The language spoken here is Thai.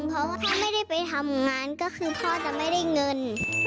เพราะว่าถ้าไม่ได้ไปทำงานก็คือพ่อจะไม่ได้เงิน